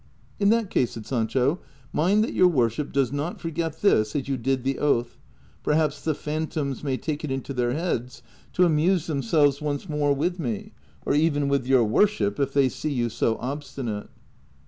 " In that case," said Sancho, " mind that your worship does not forget this as you did the oath ; perhaps the phantoms may take it into their heads to amuse themselves once more with me ; or even with your worship if they see you so obstinate."